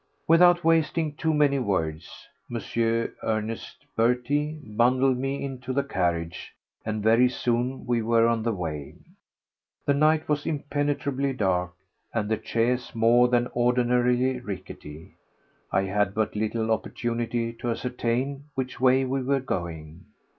Without wasting too many words, M. Ernest Berty bundled me into the carriage, and very soon we were on the way. The night was impenetrably dark and the chaise more than ordinarily rickety. I had but little opportunity to ascertain which way we were going.